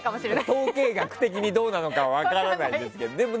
統計学的にどうなのかは分からないんですけども。